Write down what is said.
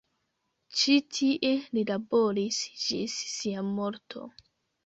Ĉi tie li laboris ĝis sia morto.